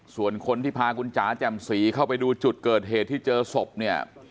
ส่วนคนที่พาคุณจ๋าแจ่มสีเข้าไปดูจุดเกิดเหตุที่เจอศพเนี่ย